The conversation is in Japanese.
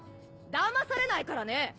だまされないからね。